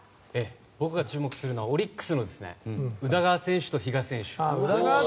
僕が注目するのはオリックスの宇田川選手と比嘉選手。